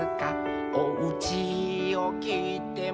「おうちをきいても」